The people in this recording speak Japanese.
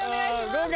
合格。